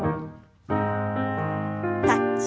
タッチ。